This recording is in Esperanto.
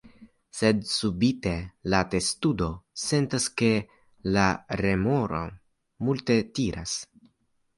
Sed subite, la testudo sentas ke la remoro multe tiras.